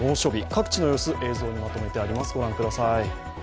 各地の様子、映像にまとめてあります、ご覧ください。